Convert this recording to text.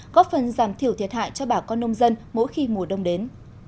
góp phần giảm thiểu thiệt hại cho bà con nông dân mỗi khi mùa đông đến